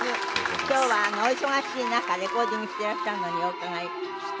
今日はお忙しい中レコーディングしてらっしゃるのにお伺いして。